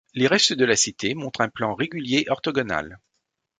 Les restes de la cité montrent un plan régulier orthogonal.